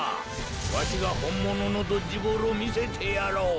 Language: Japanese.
わしがほんもののドッジボールをみせてやろう。